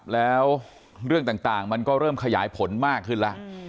แล้วเรื่องต่างมันก็เริ่มขยายผลมากขึ้นแล้ว